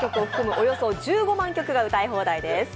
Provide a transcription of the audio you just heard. およそ１５万曲が歌い放題です。